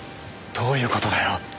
どういう事だよ？